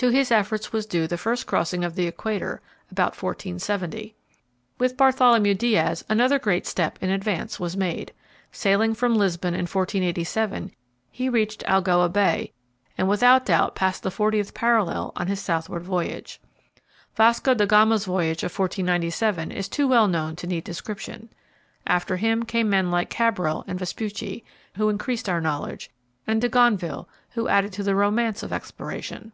To his efforts was due the first crossing of the Equator, about 1470. With Bartholomew Diaz another great step in advance was made. Sailing from Lisbon in 1487, he reached Algoa Bay, and without doubt passed the fortieth parallel on his southward voyage. Vasco da Gama's voyage of 1497 is too well known to need description. After him came men like Cabral and Vespucci, who increased our knowledge, and de Gonneville, who added to the romance of exploration.